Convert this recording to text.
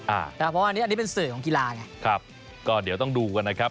อ่าครับเพราะว่าอันนี้อันนี้เป็นเสริมของกีฬาเนี่ยครับก็เดี๋ยวต้องดูกันนะครับ